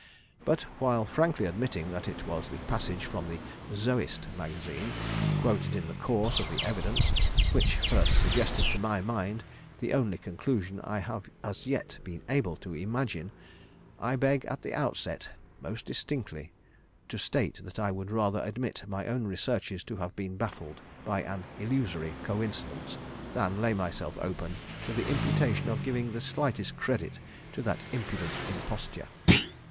But while frankly admitting that it was the passage from the 'Zoist Magazine,' quoted in the course of the evidence, which first suggested to my mind the only conclusion I have as yet been able to imagine, I beg at the outset most distinctly to state, that I would rather admit my own researches to have been baffled by an illusory coincidence, than lay myself open to the imputation of giving the slightest credit to that impudent imposture.